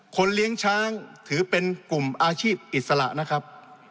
เลี้ยงช้างถือเป็นกลุ่มอาชีพอิสระนะครับ